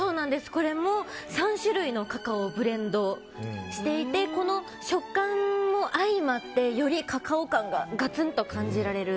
これも３種類のカカオをブレンドしていてこの食感も相まってよりカカオ感がガツンと感じられる。